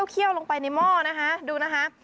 เคี่ยวลงไปในหม้อนะคะดูนะคะ